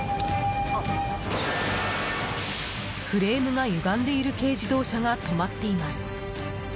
フレームがゆがんでいる軽自動車が止まっています。